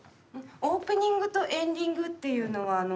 オープニングとエンディングっていうのは。